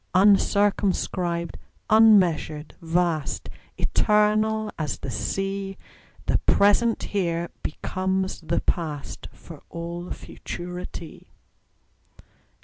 Uncircumscribed, unmeasured, vast, Eternal as the Sea, The present here becomes the past, For all futurity.